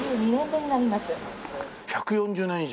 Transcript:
１４０年以上？